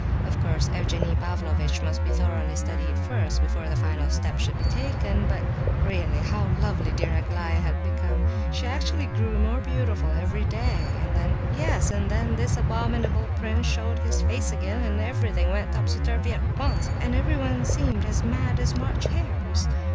Of course, Evgenie Pavlovitch must be thoroughly studied first, before the final step should be taken; but, really, how lovely dear Aglaya had become—she actually grew more beautiful every day! And then—Yes, and then—this abominable prince showed his face again, and everything went topsy turvy at once, and everyone seemed as mad as March hares.